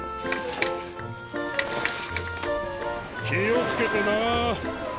気を付けてな。